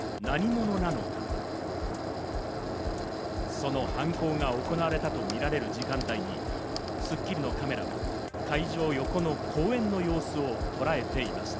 その犯行が行われたとみられる時間帯に『スッキリ』のカメラは、会場横の公園の様子をとらえていました。